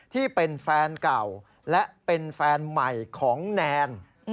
ที่เป็นแฟนเก่าและเป็นแฟนใหม่ของแนน